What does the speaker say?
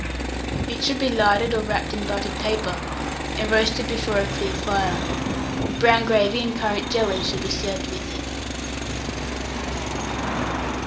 It should be larded or wrapped in buttered paper, and roasted before a clear fire. Brown gravy and currant jelly should be served with it.